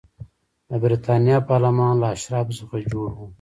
د برېټانیا پارلمان له اشرافو څخه جوړ و.